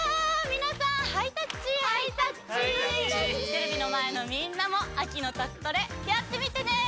テレビのまえのみんなも秋の宅トレやってみてね！